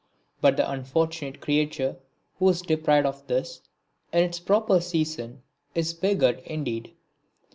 But the unfortunate creature who is deprived of this in its proper season is beggared indeed.